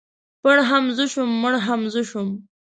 پړ هم زه شوم مړ هم زه شوم.